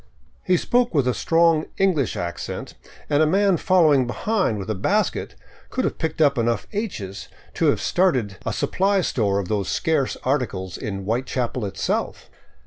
He spoke with a strong " English accent," and a man following behind with a basket could have picked up enough H's to have started 522 ON FOOT ACROSS TROPICAL BOLIVIA a supply store of those scarce articles in Whitechapel itself.